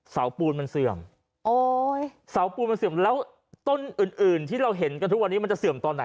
เสาปูนมันเสื่อมโอ้ยเสาปูนมันเสื่อมแล้วต้นอื่นอื่นที่เราเห็นกันทุกวันนี้มันจะเสื่อมตอนไหน